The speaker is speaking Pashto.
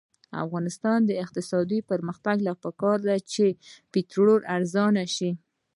د افغانستان د اقتصادي پرمختګ لپاره پکار ده چې پټرول ارزانه شي.